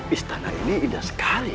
istana ini indah sekali